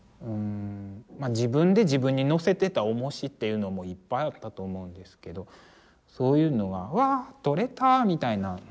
自分で自分に載せてたおもしっていうのもいっぱいあったと思うんですけどそういうのが「うわ取れた」みたいなのがあって。